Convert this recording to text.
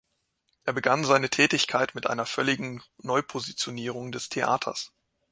Er begann seine Tätigkeit mit einer völligen Neupositionierung des Theaters.